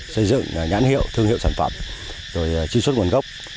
xây dựng nhãn hiệu thương hiệu sản phẩm rồi truy xuất nguồn gốc